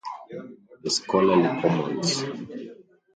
The Scholarly Commons.